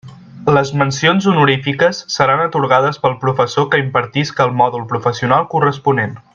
Les mencions honorífiques seran atorgades pel professor que impartisca el mòdul professional corresponent.